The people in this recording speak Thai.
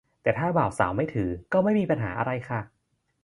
แต่ถ้าบ่าวสาวไม่ถือก็ไม่มีปัญหาอะไรค่ะ